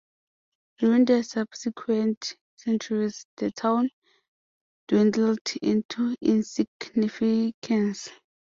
During the subsequent centuries, the town dwindled into insignificance.